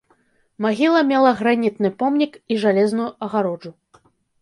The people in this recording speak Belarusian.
Магіла мела гранітны помнік і жалезную агароджу.